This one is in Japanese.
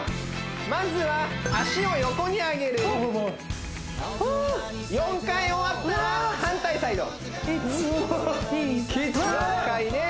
まずは足を横に上げる４回終わったら反対サイドキツっ４回ね